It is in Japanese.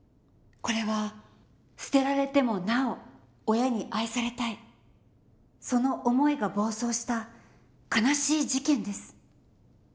これは捨てられてもなお親に愛されたいその思いが暴走した悲しい事件です。